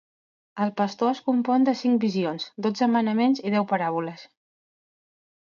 El Pastor es compon de cinc visions, dotze manaments i deu paràboles.